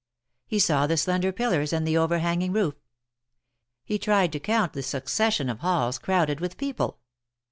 He saw the slender pillars and the overhanging roof. He tried to count the succession of halls crowded with people.